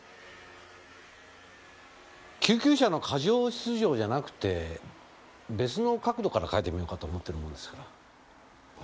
救急車の過剰出場じゃなくて別の角度から書いてみようかと思ってるもんですから。